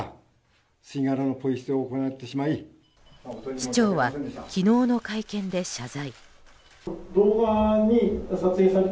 市長は昨日の会見で謝罪。